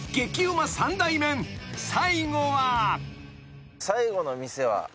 ［最後は］